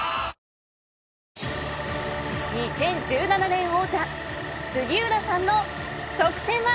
２０１７年王者杉浦さんの得点は。